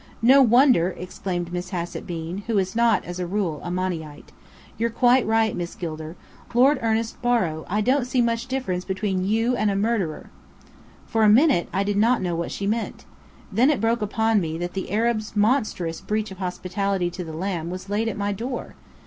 "No wonder!" exclaimed Miss Hassett Bean, who is not, as a rule, a Monny ite. "You're quite right, Miss Gilder. Lord Ernest Borrow, I don't see much difference between you and a murderer!" For a minute, I did not know what she meant. Then it broke upon me that the Arabs' monstrous breach of hospitality to the lamb was laid at my door.